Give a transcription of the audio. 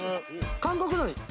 韓国のり。